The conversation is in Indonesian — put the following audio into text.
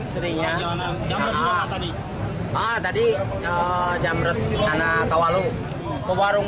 sering ya bang